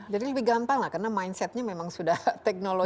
jadi lebih gampang lah karena mindsetnya memang sudah teknologi